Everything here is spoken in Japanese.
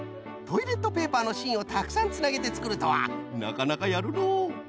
トイレットペーパーのしんをたくさんつなげてつくるとはなかなかやるのう。